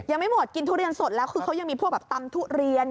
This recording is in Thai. ยังไม่หมดกินทุเรียนสดแล้วคือเขายังมีพวกแบบตำทุเรียน